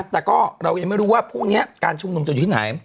แต่ก็เรายังไม่รู้ว่าพรุ่งนี้การชุมนุมจะอยู่ที่ไหน